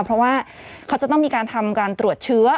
เพราะว่าเขาจะต้องมีการทำการตรวจเชื้อ